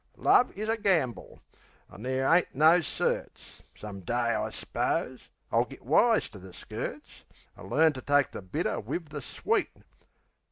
Love is a gamble, an' there ain't no certs. Some day, I s'pose, I'll git wise to the skirts, An' learn to take the bitter wiv the sweet...